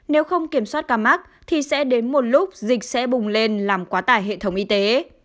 nếu không kiểm soát ca mắc thì sẽ đến một lúc dịch sẽ bùng lên làm quá tải hệ thống y tế